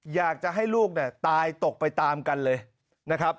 อยากจะให้ลูกเนี่ยตายตกไปตามกันเลยนะครับ